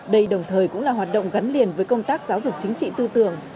đây đồng thời cũng là hoạt động gắn liền với công tác giáo dục chính trị tư tưởng